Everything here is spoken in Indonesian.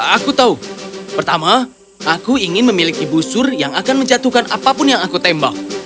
aku tahu pertama aku ingin memiliki busur yang akan menjatuhkan apapun yang aku tembak